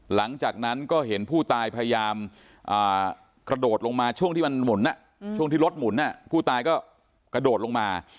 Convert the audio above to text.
หลังจากนั้นก็เห็นผู้ตายพยายามกระโดดลงมาช่วงที่มันหมุนช่วงที่รถหมุนผู้ตายก็กระโดดลงมา